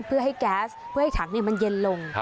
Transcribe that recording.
เพื่อให้แก๊สเพื่อให้ถังมันเย็นลง